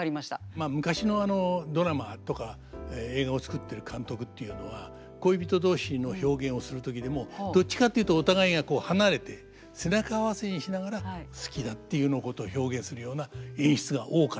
まあ昔のドラマとか映画を作ってる監督っていうのは恋人同士の表現をする時でもどっちかっていうとお互いがこう離れて背中合わせにしながら「好きだ」っていうようなことを表現するような演出が多かったです。